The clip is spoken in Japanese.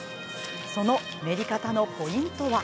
その練り方のポイントは。